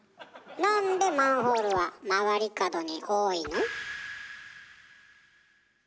なんでマンホールは曲がり角に多いの？